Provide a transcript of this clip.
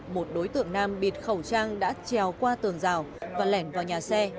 một đối tượng nam bịt khẩu trang đã trèo qua tường rào và lẻn vào nhà xe